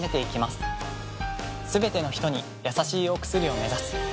すべてのひとにやさしいお薬を目指す。